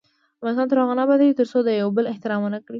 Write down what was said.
افغانستان تر هغو نه ابادیږي، ترڅو د یو بل احترام ونه کړو.